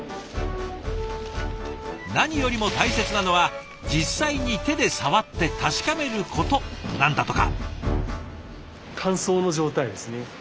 何よりも大切なのは実際に手で触って確かめることなんだとか。